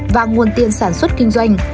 và nguồn tiền sản xuất kinh doanh